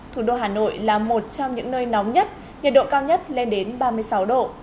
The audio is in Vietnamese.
thủ đô hà nội là một trong những nơi nóng nhất nhiệt độ cao nhất lên đến ba mươi sáu độ